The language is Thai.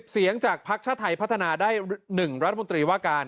เสียงจากภักดิ์ชาติไทยพัฒนาได้๑รัฐมนตรีว่าการ